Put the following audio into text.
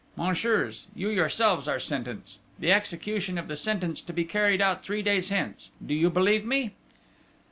Messieurs, you yourselves are sentenced: the execution of the sentence to be carried out three days hence. Do you believe me?"